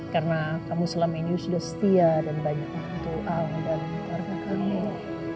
karena kamu selama ini sudah setia dan banyak banget doang dari keluarga kamu